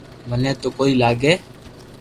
مني تو ڪوئي لاگي